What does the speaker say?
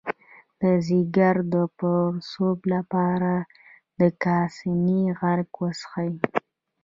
د ځیګر د پړسوب لپاره د کاسني عرق وڅښئ